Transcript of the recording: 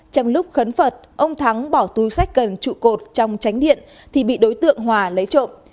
trong lúc khấn phật ông thắng bỏ túi sách gần trụ cột trong tránh điện thì bị đối tượng hòa lấy trộm